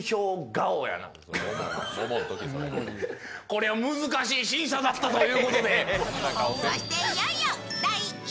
これは難しい審査だったということで。